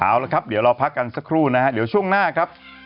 เอาละครับเดี๋ยวเราพักกันสักครู่นะฮะเดี๋ยวช่วงหน้าครับ